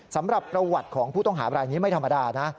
สำหรับประวัติของผู้ต้องหาบรายนี้ไม่ธรรมดานะ